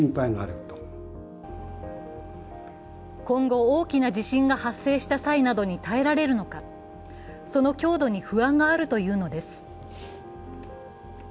今後、大きな地震が発生した際などに耐えられるのかその強度に不安があるというのです。